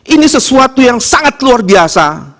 ini sesuatu yang sangat luar biasa